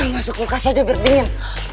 masuk kemkas aja berdingin